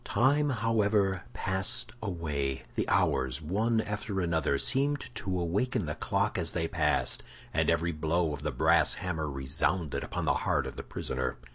Time, however, passed away; the hours, one after another, seemed to awaken the clock as they passed, and every blow of the brass hammer resounded upon the heart of the prisoner.